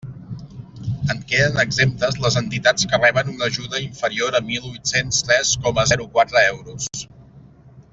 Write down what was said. En queden exemptes les entitats que reben una ajuda inferior a mil huit-cents tres coma zero quatre euros.